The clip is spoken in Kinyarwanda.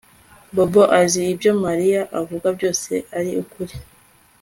Bobo azi ko ibyo Mariya avuga byose ari ukuri